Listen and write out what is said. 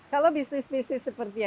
kalau bisnis bisnis seperti